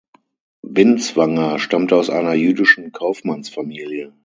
Binswanger stammte aus einer jüdischen Kaufmannsfamilie.